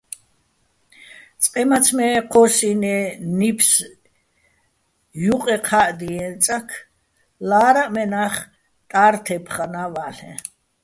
წყე, მაცმე ჴოსინე́ ნიფს ჲუყე ხა́ჸდიეჼ წაქ, ლა́რაჸ მენა́ხ ტარო̆ თე́ფხანა́ ვა́ლ'ეჼ.